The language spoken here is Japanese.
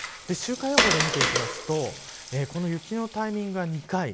週間予報で見ていくと雪のタイミングが２回。